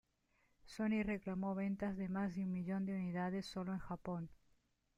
Sony reclamó ventas de más de un millón de unidades solo en Japón.